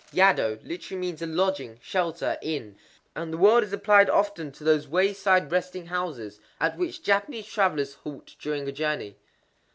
Yado literally means a lodging, shelter, inn; and the word is applied often to those wayside resting houses at which Japanese travellers halt during a journey.